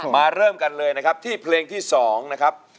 เริ่มกันเลยนะครับที่เพลงที่๒นะครับ